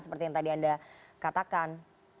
seperti yang tadi anda katakan